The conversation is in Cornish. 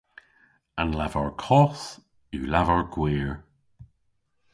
An lavar koth yw lavar gwir.